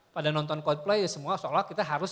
pada nonton coldplay ya semua seolah olah kita harus